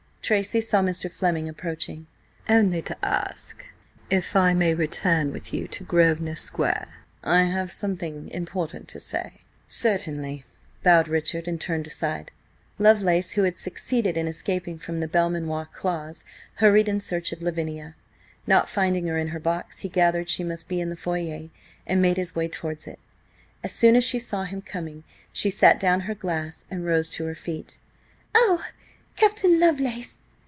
Tracy saw Mr. Fleming approaching "Only to ask if I may return with you to Grosvenor Square. I have something important to say." "Certainly," bowed Richard, and turned aside. Lovelace, who had succeeded in escaping from the Belmanoir claws, hurried in search of Lavinia. Not finding her in her box, he gathered she must be in the foyer and made his way towards it. As soon as she saw him coming she set down her glass and rose to her feet. "Oh, Captain Lovelace!